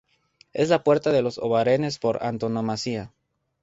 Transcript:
Es la Puerta de los Obarenes por antonomasia.